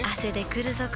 くるぞ？